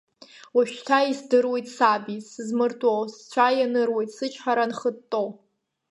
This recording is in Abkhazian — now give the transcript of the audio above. Уажәшьҭа издыруеит сабиц, сызмыртәо, сцәа ианыруеит, сычҳара анхытто…